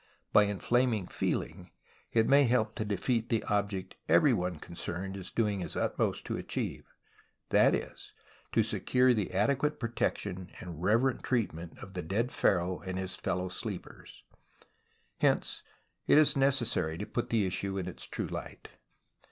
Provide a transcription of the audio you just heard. By inflaming feeling it may help to defeat the object everyone concerned is doing his utmost to achieve, that is, to secure the adequate protection and reverent treatment of the dead pharaoh and his fellow sleepers. Hence it is necessary to put the issue in its true light.